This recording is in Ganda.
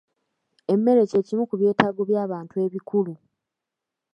Emmere ky'ekimu ku byetaago by'abantu ebikulu.